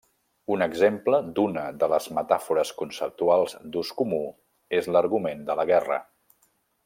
Un exemple d'una de les metàfores conceptuals d'ús comú és l'argument de la guerra.